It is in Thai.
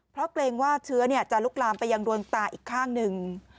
เพราะเกรงว่าเชื้อจะลุกลามไปยังโดนตาอีกข้างหนึ่ง